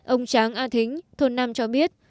ông tráng a thính thôn nam cho biết